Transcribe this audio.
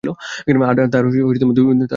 তার দুই কন্যা রয়েছে।